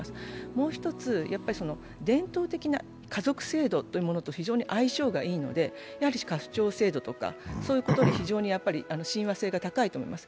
もう１つ、伝統的な家族制度というものと非常に相性がいいので、家父長制度とかそういうところに親和性が高いと思うんです。